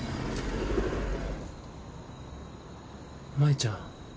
舞ちゃん。